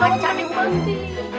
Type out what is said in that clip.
selamat janji mati